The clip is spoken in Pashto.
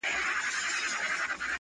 چي مي ناپامه هغه تيت څراغ ته~